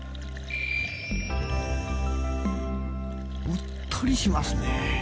うっとりしますね。